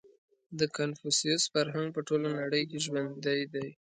• د کنفوسیوس فرهنګ په ټوله نړۍ کې ژوندی دی.